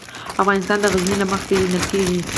افغانستان د غزني له مخې پېژندل کېږي.